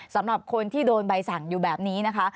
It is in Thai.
สำหรับคนที่โดนใบสั่งอยู่แบบนี้นะคะ